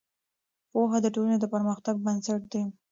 پوهه د ټولنې د پرمختګ بنسټ دی.